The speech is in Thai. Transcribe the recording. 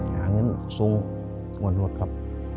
อย่างนั้นส่วนรวดครับ